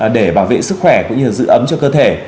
để bảo vệ sức khỏe cũng như giữ ấm cho cơ thể